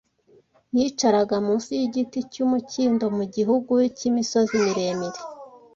Yicaraga munsi y’igiti cy’umukindo mu gihugu cy’imisozi miremire